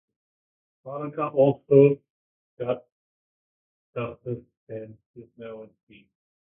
Monica also got justice and is now in peace.